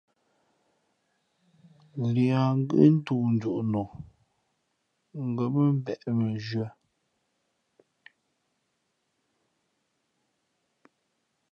Līā ngʉ́ toonjoʼ no, ngα̌ mά mbeʼ mʉnzhwē.